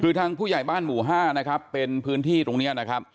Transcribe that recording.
คือทางผู้ใหญ่บ้านหมู่๕นะครับเป็นพื้นที่ตรงนี้นะครับ